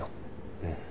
うん。